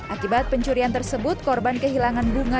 akibat pencurian tersebut korban kehilangan bunga